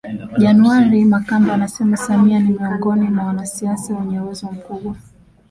January Makamba anasema Samia ni miongoni mwa wanasiasa wenye uwezo mkubwa